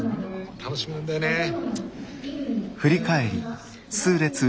楽しみなんだよねえ。